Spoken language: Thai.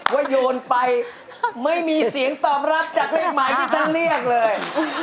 โยนไปไม่มีเสียงตอบรับจากเลขหมายที่ท่านเรียกเลย